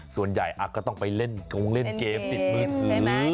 ส่วนใหญ่อาจก็ต้องไปเล่นเกมปิดมือถือ